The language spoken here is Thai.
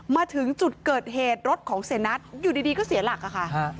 มาถึงจุดเกิดเหตุรถของเสียนัทอยู่ดีก็เสียหลักค่ะ